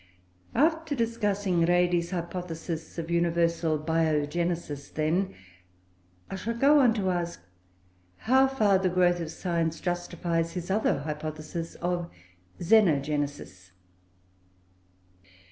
After discussing Redi's hypothesis of universal Biogenesis, then, I shall go on to ask how far the growth of science justifies his other hypothesis of Xenogenesis.